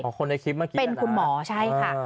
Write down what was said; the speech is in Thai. ของคนในคลิปเมื่อกี้แล้วค่ะอ๋อคือนานาเป็นคุณหมอใช่ค่ะ